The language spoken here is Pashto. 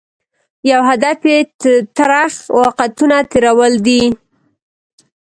یو هدف یې ترخ واقعیتونه تېرول دي.